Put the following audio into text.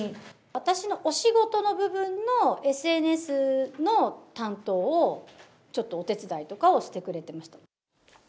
私のお仕事の部分のＳＮＳの担当を、ちょっとお手伝いとかをしてくれてました。